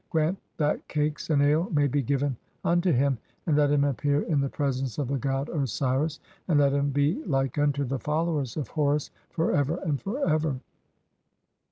Grant that cakes and ale may be given unto "him, and let him appear in the presence of the god Osiris ; (4) "and let him be like unto the followers of Horus for ever and "for ever."